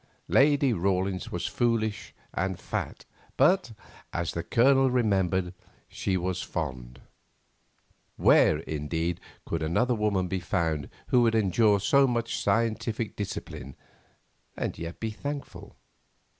Lady Rawlins was foolish and fat, but, as the Colonel remembered, she was fond. Where, indeed, could another woman be found who would endure so much scientific discipline and yet be thankful?